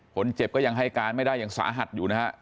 คนเจ็บก็ยังให้การไม่ได้ยังสาหัสอยู่นะฮะ